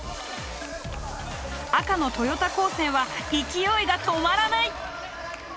赤の豊田高専は勢いが止まらない！